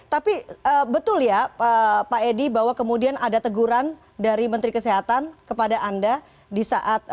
tapi betul ya pak edi bahwa kemudian ada teguran dari menteri kesehatan kepada anda di saat